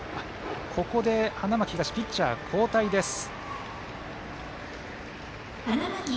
ここで、花巻東ピッチャー交代です。